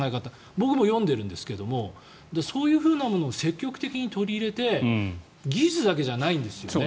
僕も読んでるんですけどもそういうものを積極的に取り入れて技術だけじゃないんですよね。